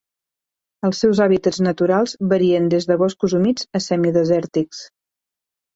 Els seus hàbitats naturals varien des de boscos humits a semidesèrtics.